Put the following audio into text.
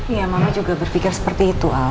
iya mama juga berpikir seperti itu